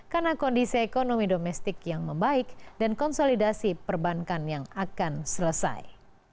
karena kondisi ekonomi domestik yang membaik dan konsolidasi perbankan yang akan selesai